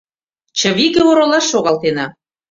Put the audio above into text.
Чывиге оролаш шогалтена.